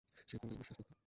সে পরকালে বিশ্বাস করত।